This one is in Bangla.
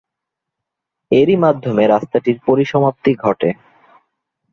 এরই মাধ্যমে রাস্তাটির পরিসমাপ্তি ঘটে।